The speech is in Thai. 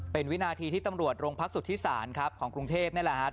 เป็นวินาทีที่ตำรวจโรงพักสุธิศาลครับของกรุงเทพนี่แหละครับ